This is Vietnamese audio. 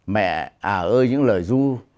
mẹ à ơi những lời ru